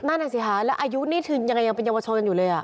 นั่นอ่ะสิคะแล้วอายุนี้ถึงยังไงยังเป็นเยาวชนอยู่เลยอ่ะ